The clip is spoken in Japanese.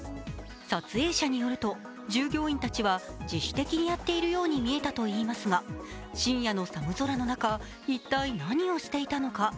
撮影者によると従業員たちは自主的にやっているようにみえたということですが深夜の寒空の中、一体何をしていたのか。